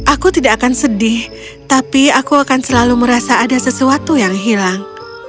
aku tidak akan sedih tapi aku akan selalu merasa ada sesuatu yang hilang